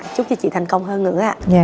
chúc cho chị thành công hơn nữa ạ